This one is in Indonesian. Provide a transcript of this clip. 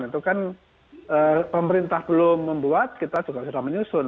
itu kan pemerintah belum membuat kita juga sudah menyusun